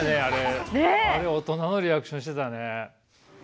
あれ大人のリアクションしてたね。